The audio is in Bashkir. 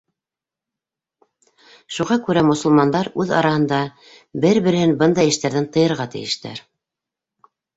Шуға күрә мосолмандар үҙ араһында бер-береһен бындай эштәрҙән тыйырға тейештәр.